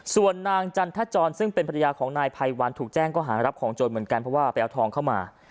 ส่วนนางจันทจรซึ่งเป็นภรรยาของนายภัยวันถูกแจ้งก็หารับของโจรเหมือนกันเพราะว่าไปเอาทองเข้ามา